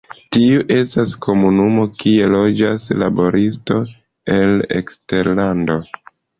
Tiu estas komunumo kie loĝas laboristoj el eksterlando.